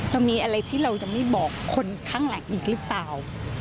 เรามีอะไรที่เราจะไม่บอกคนข้างหลังอีกหรือเปล่า